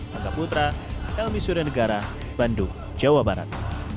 maka putra helmi surya negara bandung jawa barat